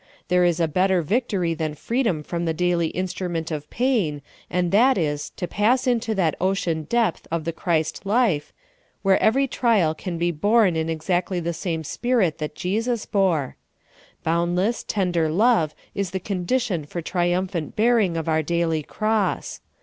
There is a better victory than freedom 72 SOUL FOOD. from the daily instrument of pain, and that is to pass into that ocean depth of the Christ^Hfe where every trial can be borne in exacth^ the same spirit that Jesus bore. Boundless, tender love is the condition for tri umphant bearing of our daily cross.